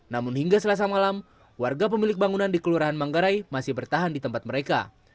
namun hingga selasa malam warga pemilik bangunan di kelurahan manggarai masih bertahan di tempat mereka